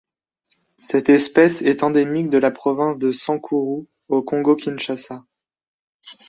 Cette espèce est endémique de la province de Sankuru au Congo-Kinshasa.